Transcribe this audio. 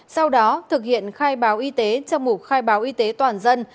sau đó thực hiện khai báo y tế trong mục khai báo y tế toàn dân